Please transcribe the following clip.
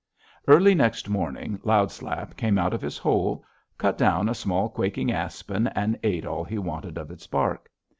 "Early next morning Loud Slap came out of his hole, cut down a small quaking aspen, and ate all he wanted of its bark.